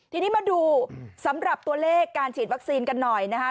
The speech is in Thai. ทีนี้มาดูสำหรับตัวเลขการฉีดวัคซีนกันหน่อยนะคะ